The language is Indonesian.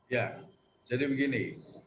ya jadi begini